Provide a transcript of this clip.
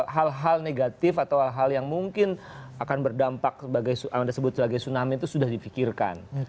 hal hal negatif atau hal hal yang mungkin akan berdampak anda sebut sebagai tsunami itu sudah difikirkan